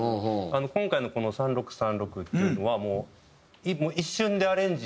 今回のこの『３６３６』っていうのはもう。